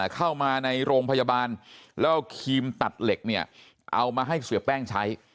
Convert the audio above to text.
เข้ามาในโรงพยาบาลแล้วเอาครีมตัดเหล็กเนี่ยเอามาให้เสียแป้งใช้